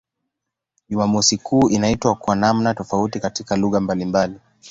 Jumamosi kuu inaitwa kwa namna tofauti katika lugha mbalimbali.